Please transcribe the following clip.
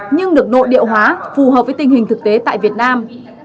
nhưng được nội địa hóa phù hợp với tình hình thực tế tại việt nam